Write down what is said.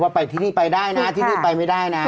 ไปที่นี่ไปได้นะที่นี่ไปไม่ได้นะ